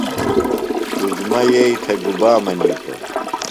عظمیٰ یئی تھےۡ گُبا منِیتوۡ؟